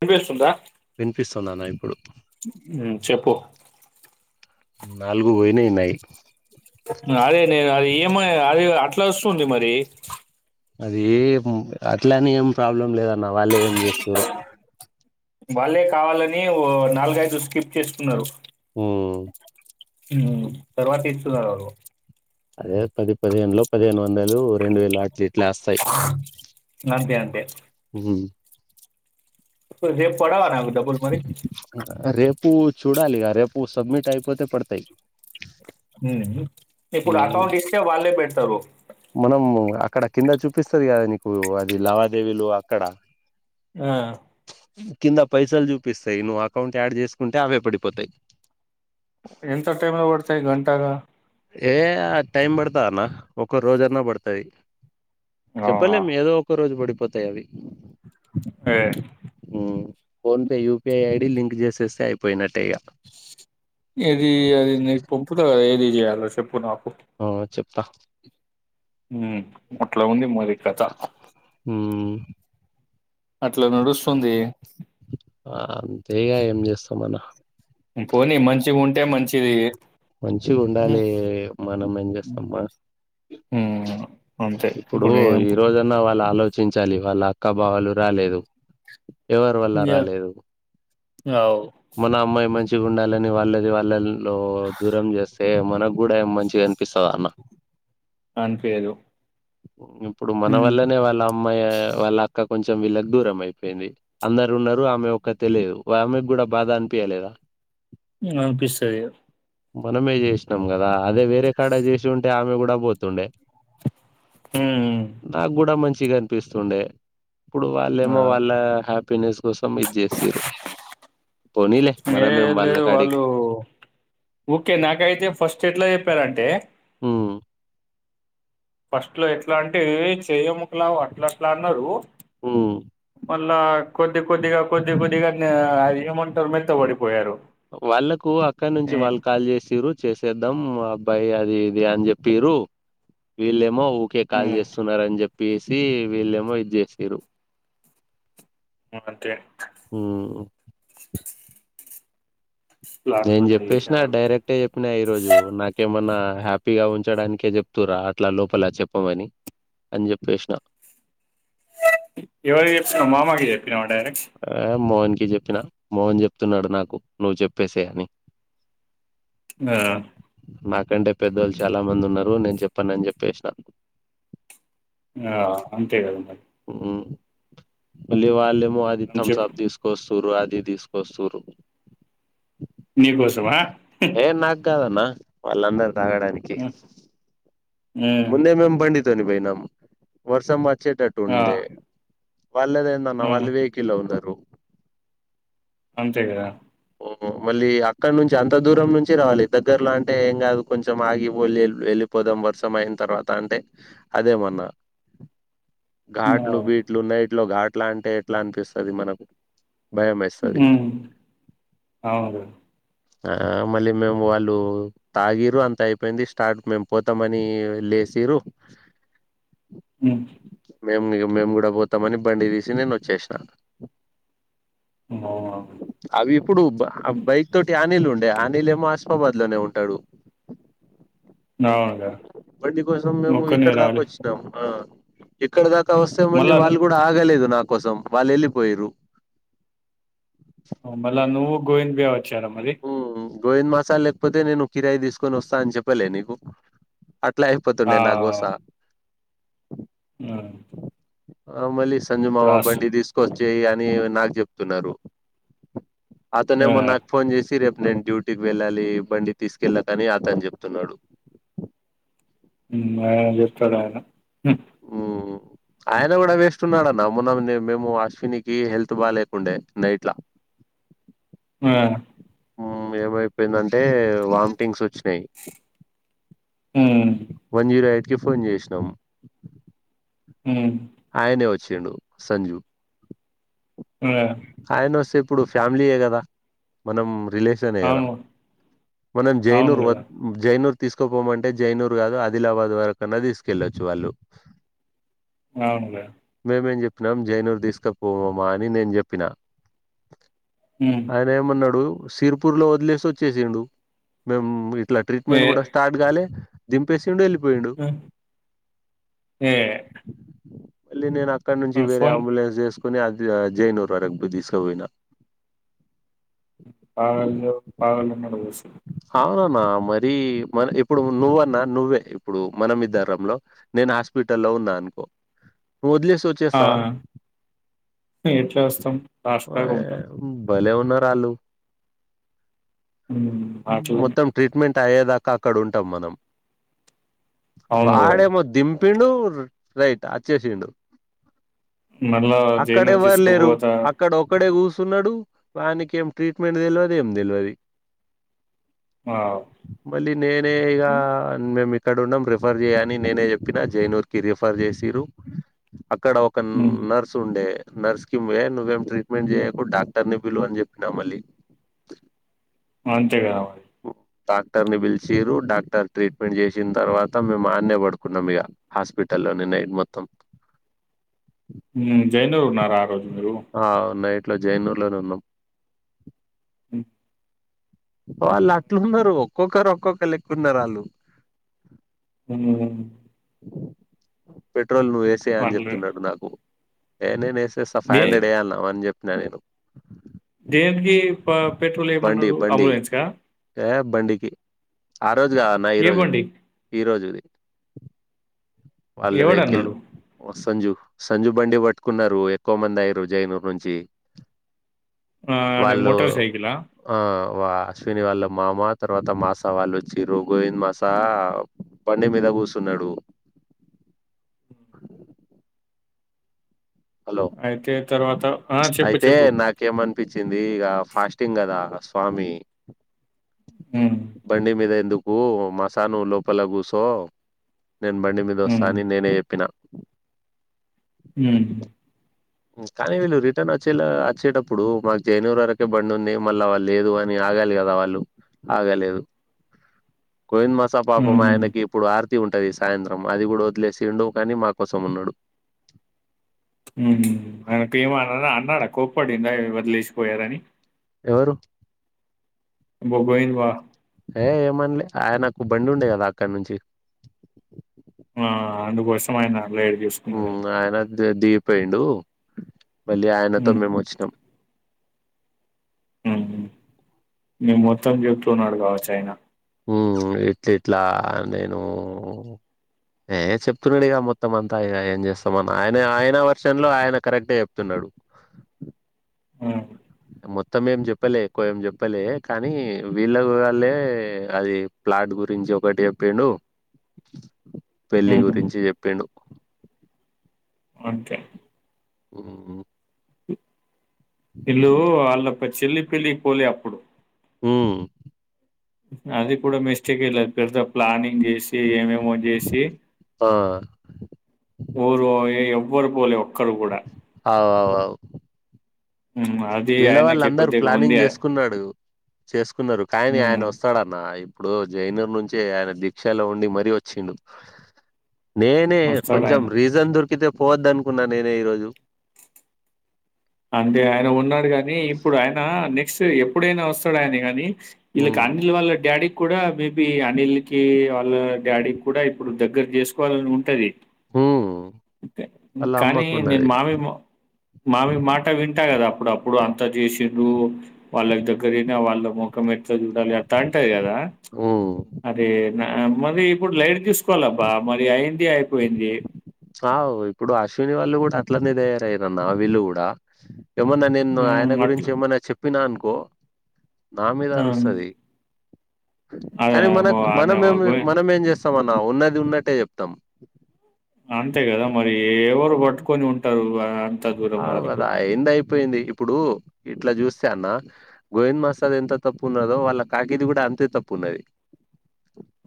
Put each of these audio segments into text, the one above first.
వినిపిస్తుందా వినిపిస్తున్నానా ఇప్పుడు చెప్పు నాలుగు పోయినయిన్నాయి అదే నేను అది ఈంఐ అది అట్లా వస్తుంది మరి అది అట్లనే ఏం ప్రాబ్లం లేదన్న వాళ్ళే ఏం చేస్తుర్రో వాళ్ళే కావాలని ఓ నాలుగైదులు స్కిప్ చేసుకున్నారు ఊ మ్మ్ తర్వాతెచ్చుకులాగగో అదే పది పదిహేనులో పదిహేను వందలు రెండు వేలు అట్లు ఇట్లా వస్తాయ్ అంతే అంతే రేప్ పడవా నాకు డబ్బుల్ మరి ప్పు చూడాలి ఇగ రేపు సబ్మిట్ అయిపోతే పడతాయ్ హుఉ ఇప్పుడు అకౌంట్ ఇస్తే వాళ్ళే పెడతరు మనం అక్కడ కింద చూపిస్తది గదా నీకు అది లావాదేవీలు అక్కడ ఆ కింద పైసల్ చూపిస్తాయ్ నువ్వు అకౌంట్ యాడ్ చేసుకుంటే అవే పడిపోతాయ్ ఎంత టైమ్ లో బడ్తాయ్ గంటల ఏ టైం ఆ పడతాది అన్న ఒక్క రోజన్న పడతయ్ చెప్పలేమ్ ఏదో ఒక రోజు బడిపోతాయ్ అవి అదె హ్మ్ PhonePe UPI ID link చేసేస్తే అయిపోయినట్ ఏది అది నీకు పొంపుత ఏది చేయలో సెప్పు నాక్ ఆ చొప్తా ఉ అట్ల ఉంది మరి కథ [unintelligible] అట్ల నడుస్తుంది ఆ అంతేగా ఏం జేస్తాం మనం పోనీ మంచిగా ఉంటే మంచిది మంచిగుండాలే ఉమ్. మనం ఏం జేస్తాం మనం హ్మ్. అంతే ఇప్పుడు ఇప్పుడేం ఈ రోజన్నా వాళ్ల్ ఆలోచించాల్ లి వాళ్ళ అక్కబావలు రాలేదు ఎవరి వల్ల ఇంగా రాలేదు అవ్ మన అమ్మాయ్ మంచి మంచిగుండాలని వాళ్ళది వాళ్ళల్లో దూరం చేస్తే మనక్ గూడా మంచిగా అనిపిస్తదా అన్న అన్పియ్యదు ఇప్పుడు మన వల్లనే వాళ్ళామ్మాయి వాళ్ళక్ క్క కొంచెం వీళ్ళక్ దూరం అయిపోయింది అందరు వున్నారు ఆమె ఒక్కతే లేదు ఆమెగ్గుడ బాధ అనిపియ్యలేదా [unintelligible] [inaudible] ఉమ్ అనిపిస్తదిగా మనమే జేసినం గదా అదే వేరే కాడ చేసి ఉంటే ఆమె గుడ పోతుండే హ్మ్. నాగ్గుడ మంచిగనిపిస్తుండే ఇప్పుడు ఆ! వాళ్ళేమో వాళ్ళ హ్యాపీనెస్ కోసం ఇది చేసిర్రు పోనీలే మనమేం వాళ్ళ కాడిక్ ఒక్కే నాకైతే ఫస్ట్ ఎట్ల జెప్పారంటే ఉ ఫస్ట్ లో ఎట్లా అంటే ఏ చేయముకులావు అట్ల అట్లా అన్నరు ఊ మళ్ళా కొద్ది కొద్దిగా కొద్ది కొద్దిగా నే ఏమంటరు మెత్త బడిపోయారు వాళ్ళకు అక్కన్నించి వాళ్ల్ కాల్ జేసిర్రు చేసేద్దాం అబ్బాయి అది ఇది అని జెప్పిరు వీళ్ళే మో ఊకే కాల్ హ్మ్. చేస్తున్నారని చెప్పేసి వీళ్ళేమో ఇది జేసిర్రు ఆ అంతే నేన్ ప్లాన్‌తోనే జెప్పేసిన చేశారాళ్ళు. డైరెక్టే జెప్పినా ఈ రోజు నాకేమన్నా హ్యాపీగా ఉంచడానికే జెప్తూర్ర అట్లా లోపల చెప్పమని అన్ జొప్పేష్న ఎవరికి జెప్పినవ్ మామకు జెప్ ఏ మోహన్ కి చెప్పిన మోహన్ చెప్తున్నాడు నాకు నువ్ చెప్పేసేయ్ అని ఆ! నాకంటే పెద్దోళ్ళు చాలా మంది ఉన్నారు నేన్ చే చెప్పనని చెప్పేసినా ఆ అంతేగదా మరి మ్ మళ్ళీ వాళ్ళెమో అది మనం తమ్ చెప్ సప్ తీసుకోస్ తురు అది తీసుకొస్సురు నీకోసమా? ఏ నాక్కదన్నా వాళ్ళందర్ తాగడానికి హ్మ్ ముందే మేమ్ బండిత్ తోని పోయినం వర్షం వచ్చేటట్టు ఆ! ఆ! ఉండే వాళ్ళదేందన్నా హ్మ్. వాళ్ళు వెహికిల్లో ఉన్నారు. అంతే గదా ఓ మళ్ళీ అక్కడ నుంచి అంత దూరం నుంచి రావాలి దగ్గరలో అంటే ఏం కాదు కొంచెం ఆగిబొల్లి వెల్లి పోదాం వర్షం అయిన తర్వాత అంటే అదేమన్నా ఘాట్లు అవును. బీట్లు ఉన్నాయి నైట్ లో ఘాట్లా అంటే ఎట్లో అనిపిస్తది మనకు భయం వేస్తది మ్ అవును ఆ మళ్ళీ మేము వాళ్ళు తాగిర్రు అంత అయిపోయింది స్టార్ట్ కు మేము పోతామని లె పేసిర్రు మ్ మేము మేము కూడా పోతామని బండి తీసి నేను వచ్చేసినా అవునవును. అవి ఇప్పుడు బ ఆ బైక్ తోటి అనిల్ ఉండే అనిల్ ఏమో హస్మాబాద్ లోనే ఉంటడు అవునుగా. బండి కోసం మేము ఒక్కనివే ఇక్కడ దాకా రాలే. వచ్చినాం ఆ ఇక్కడ దాకా వస్తే మల్లి మళ్ళా వాళ్ళు గూడా ఆగలేదు నాకు కోసం వాళ్ళు వెళ్ళిపోయిర్రు మళ్ళా నువ్వు గోవింద్బాయా వచ్చారా మరి గోవింద్ మసాల లేకపోతే నేను కిరాయి తీసుకొని వస్తా అని చెప్పలే నీకు అట్లా ఆ! అయిపోతుండే నా గోసా హ్మ్. ఆ మళ్ళీ ఇప్పుడు సంజుమామ అస్ బండి తీసుకొచ్చేయి అని నాకు చెప్తున్నారు అతనే ఆ! మొ నాకు ఫోన్ జేసి రేపు నేను డ్యూటీకి వెళ్ళాలి బండి తీసుకెళ్ళకని అతని చెప్తున్నాడు మ్ అయన చెప్తాడయనా మ్ ఆయన గూడా వేస్తున్నడన్న మొన్న మేము అశ్వినికి హెల్త్ బాగా లేకుండే నైట్లా ఆ మ్ ఏమైపోయిందంటే వామిటింగ్స్ వచ్చినాయి హ్మ్. వన్ జీరో ఎయిట్ కి ఫోన్ చేసినాము మ్ వచ్చిండు సంజు ఆ! ఆయన వస్తే ఇప్పుడు ఫ్యామిలీయే గదా మనం రిలేషన్ గదా అవును. మనం అవును జైనూర్ వ గదా! జైనూర్ తీసుకోపోమంటే జైనూర్ గాదు ఆదిలాబాద్ వరకన్నా తీసుకెళ్ళొచ్చు వాళ్ళు అవునులే మనం జైనూరు తీసుకపోవమా అని నేను చెప్పిన హ్మ్. ఆయన ఏమన్నాడు సిరిపూర్ లో వదిలేసి వచ్చేసిండు మేము ఇట్లా ఏ ట్రీట్మెంట్ కూడా స్టార్ట్ కాలే దింపేసి ఆ ఏ మళ్ళీ నేను అక్కడ నుంచి వేరే ఫోన్ అంబులెన్స్ చేసుకొని అది జైనూరు వరకు దీసక పోయినా ఆమె [unintelligible] ఆమె [unintelligible] అవునన్నా మరి మన ఇప్పుడు నువ్వన్నా నువ్వే ఇప్పుడు మనం ఇద్దరంలో నేను హాస్ ప్పిటల్లో ఉన్న అనుకో వదిలేసి వచ్చేస్తావ ఆ! ఎట్లా వస్తాం లాస్ట్ దాకా ఉంటాం భలే ఉన్నారు ఆళ్ళు హ్మ్ అట్లనే మొత్తం ట్రీట్మెంట్ అయ్యేదాకా అక్కడ ఉంటాం మనం అవును కదా వాడేమో దింపిండు రైట్ అచ్చేసిండు మళ్ళా అక్కడ జైనూర్ ఎవ్వరు లేరు తీసుకుపోతా అక్కడ ఒక్కడే కూస్ తున్నడు వానికేం ట్రీట్మెంట్ దెల్వదు ఏం దెల్వది ఆ మళ్ళీ నేనే ఇగ హ్మ్ అన్ మమి ఇక్కడ ఉండం రిఫర్ జేయని నేనే చెప్పినా జైనూర్ కి రిఫర్ జేసిరు అక్కడ ఒక హ్మ్. నర్స్ ఉండే నర్స్ కి మెయిన్ నువ్వే ఏం ట్రీట్మెంట్ జేయకు డాక్టర్ ని పిలువు అని జెప్పిన మళ్ళీ ఇంతేగా మరి ఓ డాక్టర్ ని పిలిచిరు డాక్టర్ ట్రీట్మెంట్ చేసిన తర్వాత మేము ఆడ్నే పడుకున్నాం ఇగ హాస్పిటల్ అలనే నైట్ మొత్తం మ్ జైనూరు ఉన్నారా ఆ రోజు మీరు అట్ల జైనూర్ లోనే ఉన్నాం మ్ వాళ్ళు అట్లున్నారు ఒక్కొక్కరు ఒక్కొక్క లెక్క ఉన్నారు వాళ్ళు మ్ హు పెట్రోల్ నువ్వు ఎసేయ్ అని వాట్లే జేప్తున్నాడు నాకు ఏ నే ఎసెస్తా ఫైవ్ దే హండ్రడ్ ఎయ్ అన్న వన్ జె న నేను దేనికి ప పెట్రోల్ బండి ఏమన్నాడు బండి అంబులెన్స్ క ఏ బండికి ఆ రోజు గావన్న ఈ ఏ రోజు బండి ఈ రోజుది వాళ్ళ వెహకిల్ ఎవడన్నాడు వసంజు సంజు బండి పట్టుకున్నారు ఎక్కువ మంది అయ్యరు జైనూర్ నుంచి ఆ అంటే వాళ్ళు మోటార్ సైకిలా ఆ వ అశ్విని వాళ్ళు మామ తర్వాత మాస వాళ్ళు వచ్చిరు గోవింద్ మాసా బండి మీద కూర్చున్నడు హలో అయితే తర్వాత ఆ చెప్పు అయితే చెప్పు నాకేమనిపించింది ఇగ ఫాస్టింగ్ గదా స్వామి మ్మ్ బండి మీద ఎందుకు మస నువ్వు లోపల గూసో నేను బండి మీద వస్తా హ్మ్ అని నేనే జెప్పినా ఉమ్మ్ కానీ వీళ్ళు రిటర్న్ వచ్చేలా అచ్చేటప్పుడు మాక్ జైనూర్ వరకే బండి ఉంది మళ్ళా లేదు అని ఆగాలి కదా వాళ్ళు ఆగలేదు గోవింద్ మాసా పాపం ఆయనకి హ్మ్ ఇప్పుడు ఆర్ ర్తి ఉంటది సాయంత్రం అది గూడా వదిలేసిండు కాని మా కోసం ఉన్నడు ఆయనకి ఏం అనడ అన్నాడ కోప్పడిండా వదిలేసి పోయరు అని ఎవరు బో పోయింది బా ఏ ఏమన్లే ఆయనక్ ఒ బండి ఉండే కదా అక్కడ నుంచి ఆ అందుకోసమైన లేదు మ్మ్ ఆయన ద దిగిపోయిండు మళ్ళీ ఆయనతో హ్మ్ మేమ్ వచ్చినం మ్మ్ నీ మొత్తం జేప్తున్నాడు గావచ్చు ఆయన ఉమ్మ్ ఇట్లు ఇట్లా నేను ఏ చెప్తున్నాడు ఇగ మొత్తం అంతా ఇగ ఏం జేస్తామన్ ఆయన ఆయన వర్షన్ లో ఆయన కరెక్ట్ చెప్తున్నాడు నడు ఆ మొత్తం ఏం జెప్పలే ఎక్కువ ఏం జెప్పలే కానీ వీళ్ళ వాళ్ళే అది ప్లా వాటి గురించి ఒకటి చెప్పాండు పెళ్లి హ్మ్ గురించి చెప్పిండు అంతే ఉ ఇల్లు వాళ్ళ చెల్లి పెళ్లి పోలే అప్పుడు ఆ అది కూడా మిస్టేక్ ఇయ లేదు పెద్ద ప్లానింగ్ చేసి ఏమేమి చేసి ఆ, ఊ ఎవరు పోలే ఒక్కరు కూడా అవు అవువు హ్మ్ అది వీళ్ళ వాళ్ళ ఆయనకి అందరూ కొద్దిగా ఉంది ప్లానింగ్ చేసుకున్నాడు చేసుకున్నారు కానీ ఆయన హ్మ్ వస్తాడున్న ఇప్పుడు జైనర్ నుంచే ఆయన దీక్షలో ఉండి మరీ వచ్చింది నేనే వస్తాడు ఆయన కొంచెం రీజన్ దొరికితే పోవద్ద అనుకున్నా నేనే ఈరోజు అంటే ఆయన ఉన్నాడు కాగాని ఇప్పుడు ఆయన నెక్స్ట్ ఎప్పుడైనా వస్తాడు ఆయన కాగాని ఇకి ఉమ్, అనిల్ వాళ్ళ డాడీ కూడా మేబి అనిల్ కి వాళ్ళ డాడీ కూడా ఇప్పుడు దగ్గర చేసుకోవాలని ఉంటది ఉమ్, వాళ్ళ కానీ నేను అమ్మకున్నది మావి మా మావి మాట అంటా కదా అప్పుడు అప్పుడు అంతా చేసిడు వాళ్ళకి దగ్గరనా వాళ్ళ ముఖం పె చూ ఉమ్. [unintelligible] ఇప్పుడు చసుకోవాలబ్బా మరి అయింది అయిపోయింది ఆ ఇప్పుడు అశ్విని వాళ్ళు కూడా అట్లనే తయారయినన్న వీళ్ళు కూడా ఏమన్నా నేన్న ఆయన హ్మ్. గురించి అట్లా. ఏమన్నా చెప్పినా అనుకో నా మీద అరు హ్మ్. వస్తుంది కానీ మన అదేమో మనం ఆయనేమో ఏం గోయి మనం ఏం చేస్త న్నా ఉన్నది ఉన్నట్టే చెప్తాం అంతే కదా మరి ఎవరు పట్టుకొని ఉంటారు ఆహ్, అంత దూరం అ హద వరకు. ఎంది అయిపోయింది ఇప్పుడు ఇట్లా చూస్తే అన్న గోవింద్ మసాద్ ఎంత తప్పు ఉన్నాడో వాళ్ళ ప్యాకేజీ కూడా అంతే తప్పు ఉ ఉన్నది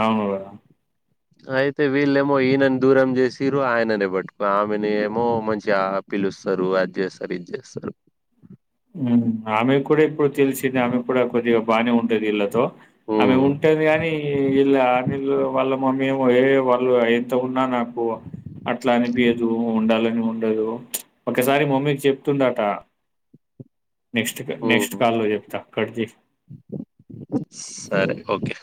అవును అయితే వీళ్ళేమో ఈయనని దూరం చేసిరు ఆయననే పట్టుకో ఆమెని ఏమో మంచి పిలుస్తారు అది చేస్తారు ఇది చేస్తారు ఆమె కూడా ఇప్పుడు తెలిసింది ఆమె కూడా కొద్దిగా బాగానే ఉంటది ఇళ్ళతో ఆమె హ్మ్ ఉంటది కాగాని ఇల్ ఆమె వాళ్ళ మమ్మీ ఏ వాళ్ళు ఎంత ఉన్నా నాకు అట్లా అనిపియధు ఉండాలని ఉండదు ఒకసారి మమ్మీకి చెప్తుండట నెక్స్ట్ నెక్స్ట్ హ్మ్ కాల్ లో చెప్తా కడ్జే సరే ఓకే